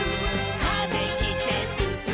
「風切ってすすもう」